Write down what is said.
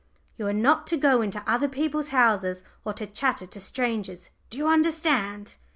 You are not to go into other people's houses or to chatter to strangers. Do you understand?"